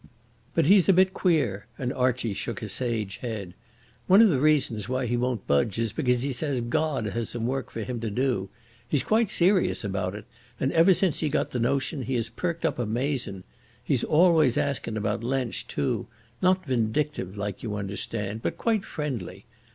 "But he's a bit queer," and Archie shook a sage head. "One of the reasons why he won't budge is because he says God has some work for him to do. He's quite serious about it, and ever since he got the notion he has perked up amazin'. He's always askin' about Lensch, too—not vindictive like, you understand, but quite friendly.